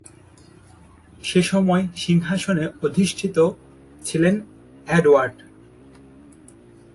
সেসময়ে সিংহাসনে অধিষ্ঠিত ছিলেন এডওয়ার্ড।